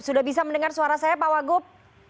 sudah bisa mendengar suara saya pak wagub